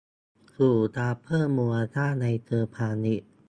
สู่การเพิ่มมูลค่าในเชิงพาณิชย์